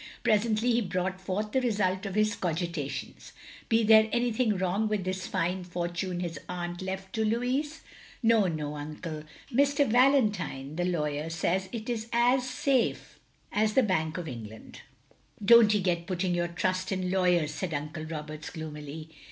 Presently he brought forth the result of his cogitations. " Be there anything wrong with this fine for tune his aunt left to Louis?" "Oh no, Uncle. Mr. Valentine, the lawyer, says it is as safe as the Bank of England. " "Dontee get putting your trust in lawyers," said Uncle Roberts, gloomily.